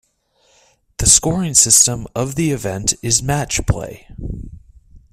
The scoring system of the event is match play.